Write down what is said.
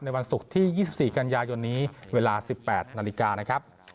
วันศุกร์ที่๒๔กันยายนนี้เวลา๑๘นาฬิกานะครับ